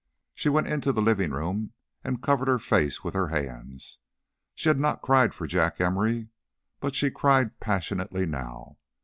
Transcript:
She went into the living room and covered her face with her hands. She had not cried for Jack Emory, but she cried passionately now.